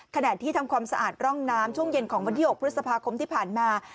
ที่ทำความสะอาดร่องน้ำช่วงเย็นของวันที่๖พฤษภาคมที่ผ่านมา